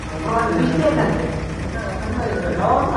ভালো লাগছে এখানে।